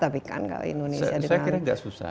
saya kira tidak susah